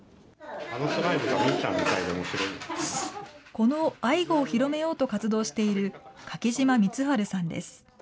このアイゴを広めようと活動している柿島光晴さんです。